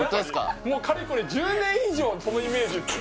もうかれこれ１０年以上このイメージですよ